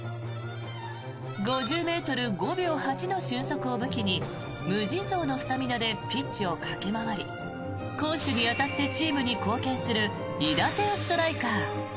５０ｍ、５秒８の俊足を武器に無尽蔵のスタミナでピッチを駆け回り攻守にわたってチームに貢献する韋駄天ストライカー。